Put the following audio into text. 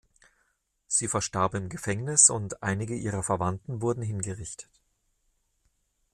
Sie verstarb im Gefängnis und einige ihrer Verwandten wurden hingerichtet.